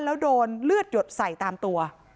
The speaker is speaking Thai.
แล้วโดนเลือดหยดใส่ตามตัว